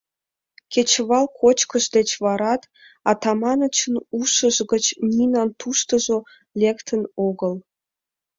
Кечывал кочкыш деч варат Атаманычын ушыж гыч Нинан «туштыжо» лектын огыл.